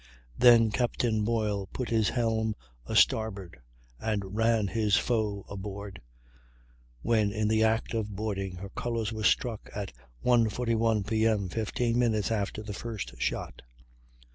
Then Captain Boyle put his helm a starboard and ran his foe aboard, when in the act of boarding, her colors were struck at 1.41 P.M., 15 minutes after the first shot.